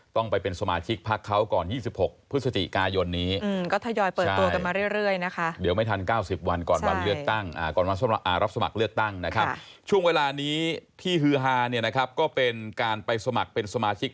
ต้องไปเป็นสมาชิกพลักษณ์เขาก่อน